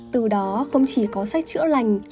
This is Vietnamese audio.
từ đó không chỉ có sách chữa lành